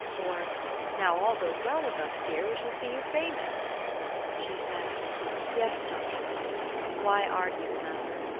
" or, " Now all goes well with us, dear, we shall see you famous." She said, "Yes, Philip." Why argue the matter?